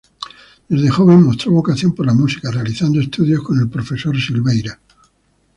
Desde joven mostró vocación por la música, realizando estudios con el profesor Silveira.